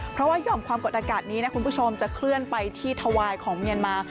เพราะว่าห่อมความกดอากาศนี้นะคุณผู้ชมจะเคลื่อนไปที่ถวายของเมียนมา